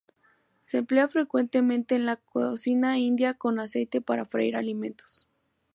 Se emplea frecuentemente en la cocina india como aceite para freír alimentos.